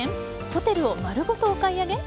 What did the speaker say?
ホテルを丸ごとお買い上げ？